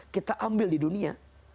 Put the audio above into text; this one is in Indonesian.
kita ambil di dunia